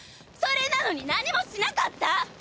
それなのに何もしなかった！